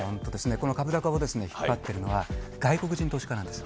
この株高を引っ張ってるのは外国人投資家なんです。